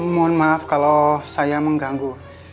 mohon maaf kalau saya mengganggu